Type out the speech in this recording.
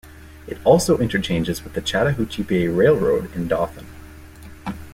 It also interchanges with the Chattahoochee Bay Railroad in Dothan.